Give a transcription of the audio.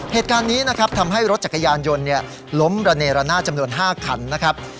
เหตุการณ์นี้นะครับทำให้รถจักรยานยนต์ล้มระเนรนาศจำนวน๕คันนะครับ